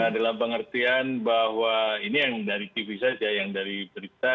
dalam pengertian bahwa ini yang dari tv saja yang dari berita